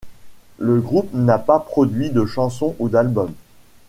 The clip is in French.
Le groupe n'a pas produit de chansons ou d'albums.